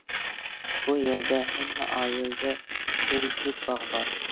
بۇ يەردە ھەممە ئائىلىدە ئۆرۈكلۈك باغ بار.